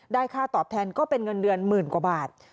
ค่าตอบแทนก็เป็นเงินเดือนหมื่นกว่าบาท